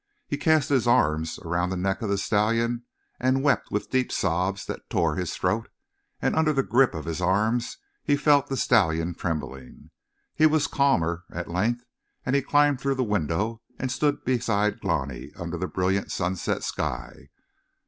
He cast his arms around the neck of the stallion and wept with deep sobs that tore his throat, and under the grip of his arms he felt the stallion trembling. He was calmer, at length, and he climbed through the window and stood beside Glani under the brilliant sunset sky.